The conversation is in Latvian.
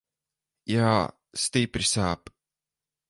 Jā, stipri sāp.